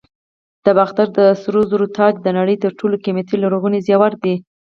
د باختر د سرو زرو تاج د نړۍ تر ټولو قیمتي لرغوني زیور دی